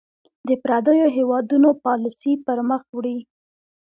د پرديـو هېـوادونـو پالسـي پـر مــخ وړي .